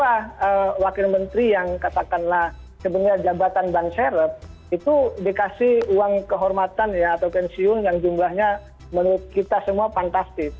karena wakil menteri yang katakanlah sebenarnya jabatan banseret itu dikasih uang kehormatan atau pensiun yang jumlahnya menurut kita semua fantastis